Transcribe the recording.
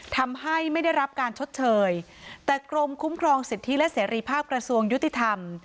ทำให้ไม่ได้รับการชดเชยแต่กรมคุ้มครองสิทธิและเสรีภาพกระทรวงยุติธรรม